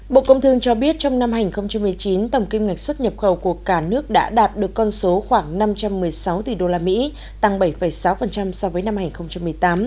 bộ công thương cho biết trong năm hai nghìn một mươi chín tổng kim ngạch xuất nhập khẩu của cả nước đã đạt được con số khoảng năm trăm một mươi sáu tỷ usd tăng bảy sáu so với năm hai nghìn một mươi tám